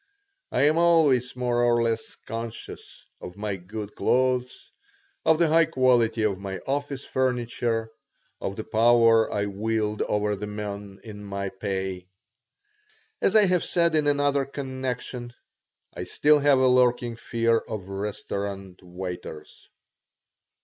I am always more or less conscious of my good clothes, of the high quality of my office furniture, of the power I wield over the men in my pay. As I have said in another connection, I still have a lurking fear of restaurant waiters.